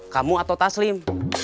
kamu atau taslim